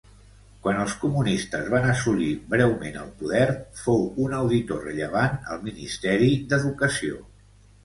Quan els Comunistes van assolir breument el poder, fou un auditor rellevant al Ministeri d'Educació.